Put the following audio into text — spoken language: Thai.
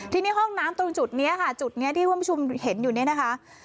ทีนี้ห้องน้ำตรงจุดนี้ค่ะจุดนี้ที่คุณผู้ชมเห็นอยู่เนี่ยนะคะ